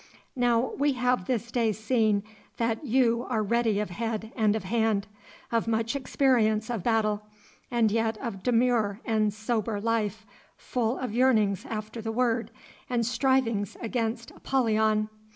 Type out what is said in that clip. Now we have this day seen that you are ready of head and of hand, of much experience of battle, and yet of demure and sober life, full of yearnings after the word, and strivings against Apollyon.